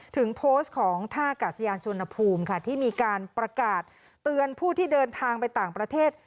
ถึงโพสต์ของท่ากาศยานชวนภูมิค่ะที่มีการประกาศเตือนผู้ที่เดินทางไปต่างประเทศ